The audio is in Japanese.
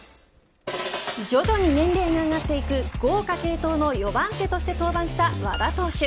徐々に年齢が上がっていく豪華継投の４番手として登板した和田投手。